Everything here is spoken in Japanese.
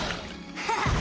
ハハハッ！